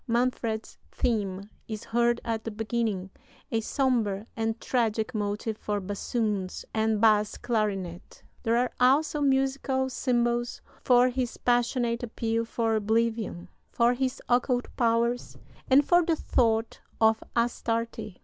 Manfred's theme is heard at the beginning a sombre and tragic motive for bassoons and bass clarinet. There are also musical symbols for his passionate appeal for oblivion, for his occult powers, and for the thought of Astarte.